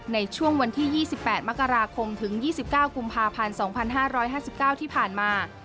ในช่วงวันที่๒๘มกราคมถึง๒๙กุมภาพันธ์๒๕๕๙ที่ผ่านมา